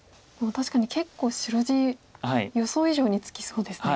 確かに結構白地予想以上につきそうですね。